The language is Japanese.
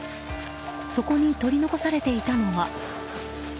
そこに取り残されていたのは。